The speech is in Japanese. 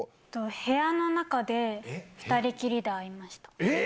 部屋の中で、２人きりで会いえー！